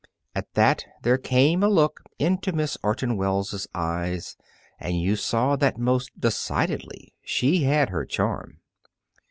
At that there came a look into Miss Orton Wells' eyes, and you saw that most decidedly she had her charm.